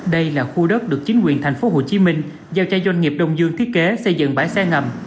đây là khu đất được chính quyền tp hcm giao cho doanh nghiệp đông dương thiết kế xây dựng bãi xe ngầm